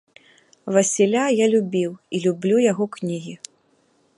Васіля я любіў і люблю яго кнігі.